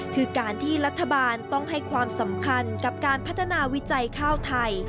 คือการที่รัฐบาลต้องให้ความสำคัญกับการพัฒนาวิจัยข้าวไทย